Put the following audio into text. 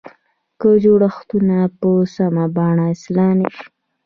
که جوړښتونه په سمه بڼه اصلاح نه شي.